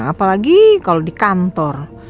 apalagi kalau di kantor